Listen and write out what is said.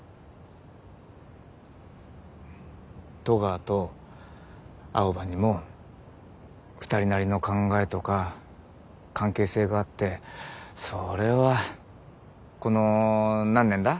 戸川と青羽にも２人なりの考えとか関係性があってそれはこの何年だ？